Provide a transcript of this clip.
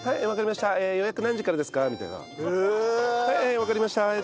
「はいわかりました」